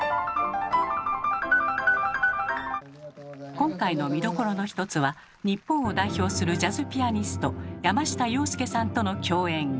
今回の見どころの一つは日本を代表するジャズピアニスト山下洋輔さんとの共演！